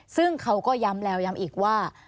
ซึ่งเขาก็ย้ำแล้วย้ำอีกว่า